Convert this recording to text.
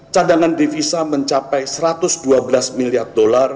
cadangan divisa mencapai rp seratus triliun